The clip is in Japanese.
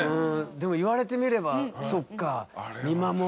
でも言われてみればそっか。